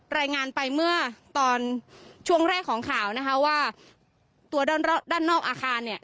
รายงานไปเมื่อตอนช่วงแรกของข่าวนะคะว่าตัวด้านนอกอาคารเนี่ย